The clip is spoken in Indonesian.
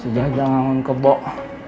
sejajar ngangun kebok